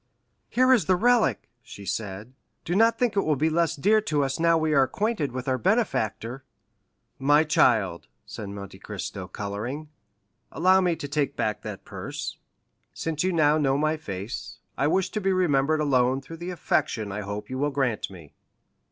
"Here is the relic," she said; "do not think it will be less dear to us now we are acquainted with our benefactor!" "My child," said Monte Cristo, coloring, "allow me to take back that purse? Since you now know my face, I wish to be remembered alone through the affection I hope you will grant me.